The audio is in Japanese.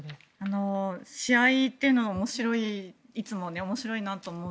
試合というのはいつも面白いと思って。